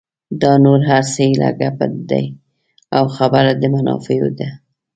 دا نور هر څه ایله ګپ دي او خبره د منافعو ده.